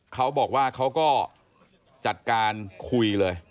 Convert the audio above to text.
เขาบอกว่าเขาก็จัดการคุยเลย